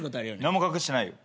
何も隠してないよ。